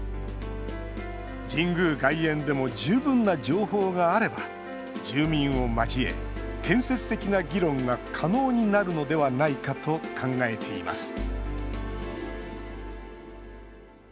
神宮外苑でも十分な情報があれば住民を交え、建設的な議論が可能になるのではないかと考えています